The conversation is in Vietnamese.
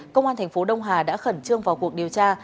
công an thành phố đông hà đã khẩn trương vào cuộc điều tra